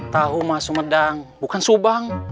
tahu mas sumedang bukan subang